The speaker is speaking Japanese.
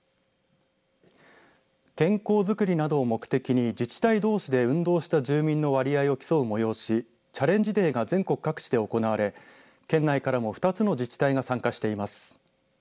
健康づくりなどを目的に自治体どうしで運動した住民の割合を競う催しチャレンジデーが全国各地で行われ県内からも２つの自治体が参加しています。